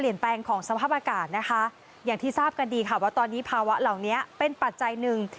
อย่างที่ทราบกันดีค่ะว่าตอนนี้ภาวะเหล่านี้เป็นปัจจัยหนึ่ง